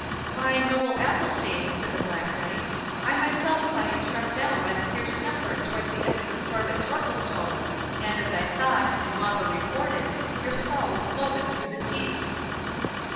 "Why, noble Athelstane," said the Black Knight, "I myself saw you struck down by the fierce Templar towards the end of the storm at Torquilstone, and as I thought, and Wamba reported, your skull was cloven through the teeth."